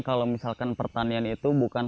kalau misalkan pertanian itu bukan